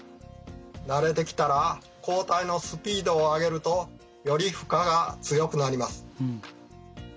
慣れてきたら交代のスピードを上げるとより負荷が強くなります。